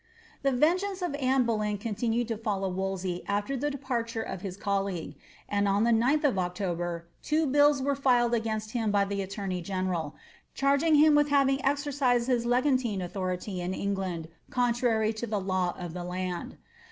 The vengeance of Anne Boleyn continued to follow Wolsey afWr the departure <^ his colleague, and on the 9th of October two biUs were filed against him by the attorney general, charging him with having ex ercised his legantine aathority in England contrary to the law of the land.